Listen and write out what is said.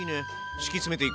敷き詰めていく！